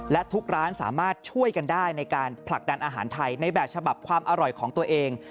และทุกร้านสามารถช่วยกันได้ในการผลักดันอาหารไทยในแบบฉบับความอร่อยของตัวเอง